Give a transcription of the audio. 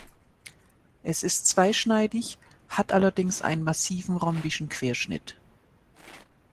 Es ist zweischneidig, hat allerdings einen massiven rhombischen Querschnitt.